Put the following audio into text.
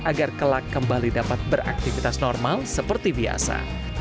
agar kelak kembali dapat beraktivitas normal seperti biasa